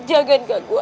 jangan ganggu aku